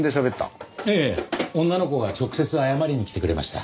いやいや女の子が直接謝りに来てくれました。